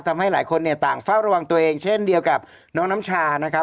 ทำให้หลายคนเนี่ยต่างเฝ้าระวังตัวเองเช่นเดียวกับน้องน้ำชานะครับ